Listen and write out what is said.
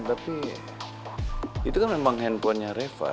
tapi itu kan memang handphonenya reva